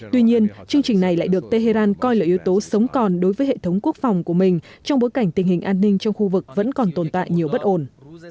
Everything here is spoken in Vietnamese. tuy nhiên chương trình này lại được tehran coi là yếu tố sống còn đối với hệ thống quốc phòng của mình trong bối cảnh tình hình an ninh trong khu vực vẫn còn tồn tại nhiều bất ổn